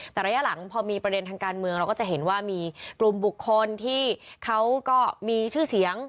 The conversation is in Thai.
แต่ระยะหลังพอมีประเด็นทางการเมืองเราก็จะเห็นว่ามีกลุ่มบุคคลที่เขาก็มีชื่อเสียง